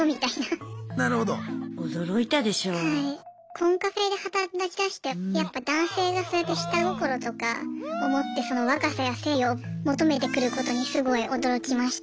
コンカフェで働きだしてやっぱ男性がそうやって下心とかを持ってその若さや性を求めてくることにすごい驚きました。